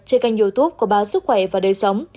trên kênh youtube có báo sức khỏe và đời sống